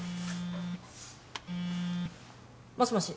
もしもし。